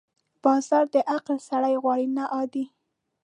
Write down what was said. بازار د عقل سړی غواړي، نه عادي.